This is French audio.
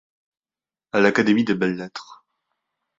à l’Académie des belles-lettres ?